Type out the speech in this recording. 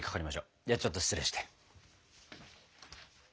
ではちょっと失礼して。